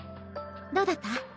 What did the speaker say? どうだった？